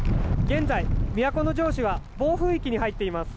現在、都城市は暴風域に入っています。